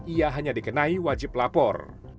ia hanya dikenai wajib lapor